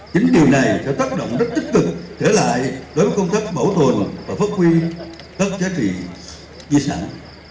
chính điều này sẽ tác động rất tích cực trở lại đối với công tác bảo tồn và phát huy các giá trị di sản